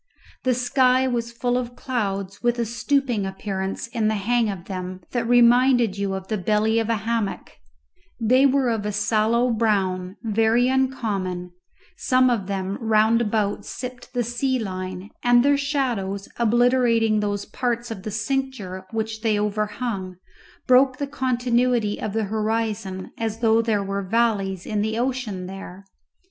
The sky was full of clouds, with a stooping appearance in the hang of them that reminded you of the belly of a hammock; they were of a sallow brown, very uncommon; some of them round about sipped the sea line, and their shadows, obliterating those parts of the cincture which they overhung, broke the continuity of the horizon as though there were valleys in the ocean there.